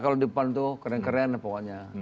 kalau di depan tuh keren keren pokoknya